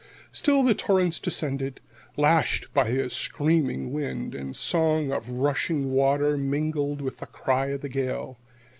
Still the torrents descended, lashed by a screaming wind, and the song of rushing water mingled with the cry of the gale.